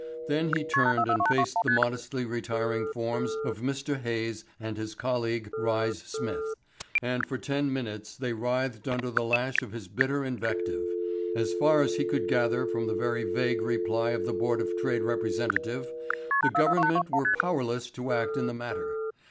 Then he turned and faced the modestly retiring forms of Mr. John Hayes and his colleague Rhys Smith, and for ten minutes they writhed under the lash of his bitter invective. As far as he could gather from the very vague reply of the Board of Trade representative, the Government were powerless to act in the matter.